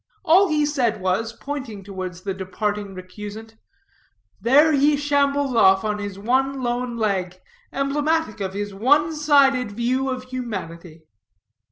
All he said was, pointing towards the departing recusant, "There he shambles off on his one lone leg, emblematic of his one sided view of humanity."